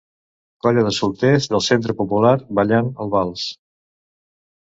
Colla de solters del Centre Popular ballant el Vals.